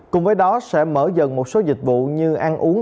cùng với đó sẽ mở dần một số dịch vụ như ăn uống